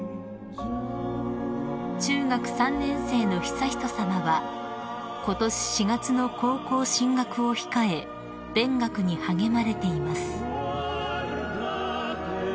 ［中学３年生の悠仁さまはことし４月の高校進学を控え勉学に励まれています］